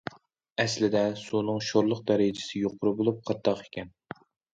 ئەسلىدە، سۇنىڭ شورلۇق دەرىجىسى يۇقىرى بولۇپ، قىرتاق ئىكەن.